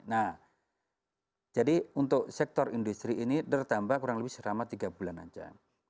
nah jadi untuk sektor industri ini bertambah kurang lebih selama tiga bulan saja